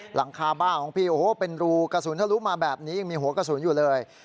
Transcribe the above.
หลังคาบ้านของพี่โอ้โหเป็นรูกระสุนทะลุมาแบบนี้ยังมีหัวกระสุนอยู่เลย